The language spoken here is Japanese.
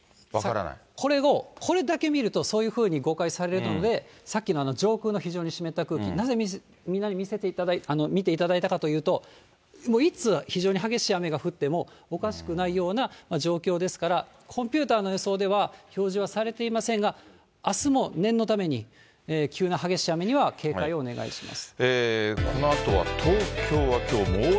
これを、これだけ見ると、そういうふうに誤解されるので、さっきの上空の非常に湿った空気、なぜみんなに見ていただいたかというと、もういつ非常に激しい雨が降ってもおかしくないような状況ですから、コンピューターの予想では表示はされていませんが、あすも念のために、急な激しい雨には警戒をお願いします。